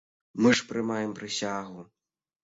Мы ж прымаем прысягу.